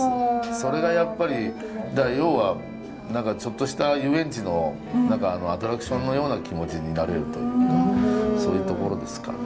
それがやっぱり要は何かちょっとした遊園地のアトラクションのような気持ちになれるというかそういうところですかね。